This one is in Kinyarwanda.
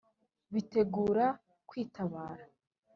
bitegura kwitabara.